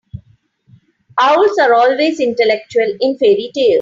Owls are always intellectual in fairy-tales.